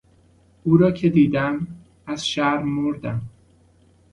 او را که دیدم از شرم مردم!